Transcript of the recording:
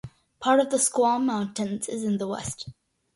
Part of the Squam Mountains is in the west.